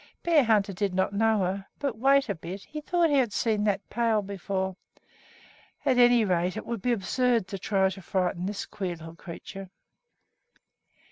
Bearhunter did not know her but wait a bit! he thought he had seen that pail before. At any rate it would be absurd to try to frighten this queer little creature.